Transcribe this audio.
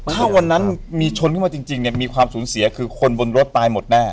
ถ้าวันนั้นมีชนขึ้นมาจริงเนี่ยมีความสูญเสียคือคนบนรถตายหมดแน่